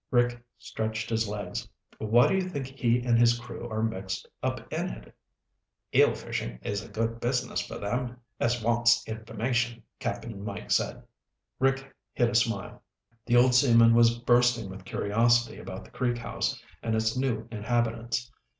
Rick stretched his legs. "Why do you think he and his crew are mixed up in it?" "Eel fishing is a good business for them as wants information," Cap'n Mike said. Rick hid a smile. The old seaman was bursting with curiosity about the Creek House and its new inhabitants.